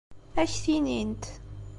Ad ak-t-inint.